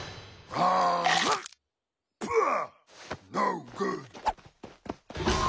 あっ！